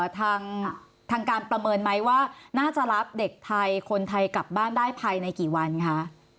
ทางการประเมินไหมว่าน่าจะรับเด็กไทยคนไทยกลับบ้านได้ภายในกี่วันคะ